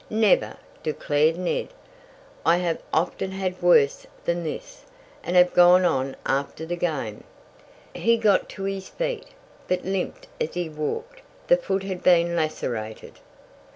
"Never!" declared Ned. "I have often had worse than this, and have gone on after the game." He got to his feet, but limped as he walked The foot had been lacerated.